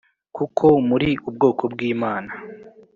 kuko muri ubwoko bw’Imana.